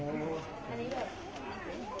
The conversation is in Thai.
ทุติยังปิตพุทธธาเป็นที่พึ่ง